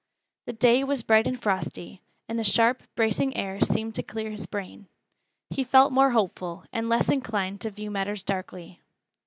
The day was bright and frosty, and the sharp, bracing air seemed to clear his brain. He felt more hopeful, and less inclined to view matters darkly.